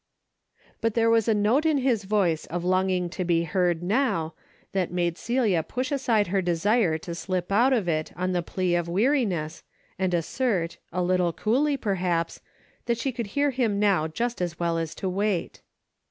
But there was a note in his voice of longing to be heard now, that made Celia push aside her desire to slip out of it on the plea of weari ness and assert, a little coolly perhaps, that she could hear him now just as well as to wait.